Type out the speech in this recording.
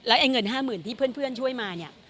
ไอ้เงิน๕๐๐๐ที่เพื่อนช่วยมาเนี่ย